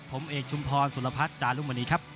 ผมเอกชุมพลสุรพัฐจาลุมวันนี้ครับ